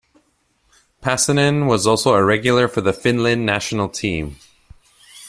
Pasanen was also a regular for the Finland national team.